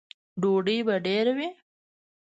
_ډوډۍ به ډېره وي؟